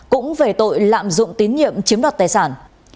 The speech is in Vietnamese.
cũng về tội lạm dụng tín nhiệm chiếm đoạt tài sản